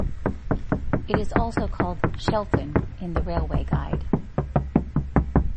It is also called "Shelton" in the Railway Guide.